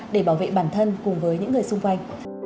để bảo vệ bản thân cùng với những người xung quanh